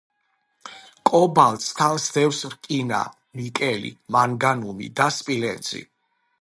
კობალტს თან სდევს რკინა, ნიკელი, მანგანუმი და სპილენძი.